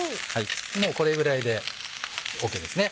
もうこれぐらいでＯＫですね。